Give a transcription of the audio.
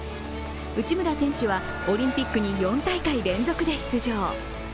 内村選手はオリンピックに４大会連続で出場。